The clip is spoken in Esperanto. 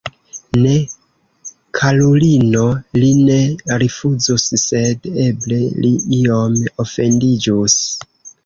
Ne, karulino, li ne rifuzus, sed eble li iom ofendiĝus.